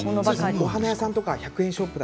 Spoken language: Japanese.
お花屋さんや１００円ショップ